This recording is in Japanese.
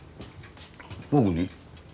僕に？